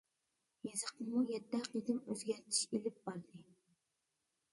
يېزىقنىمۇ يەتتە قېتىم ئۆزگەرتىش ئېلىپ باردى.